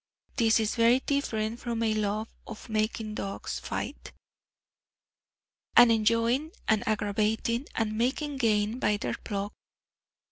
This is very different from a love of making dogs fight, and enjoying, and aggravating, and making gain by their pluck.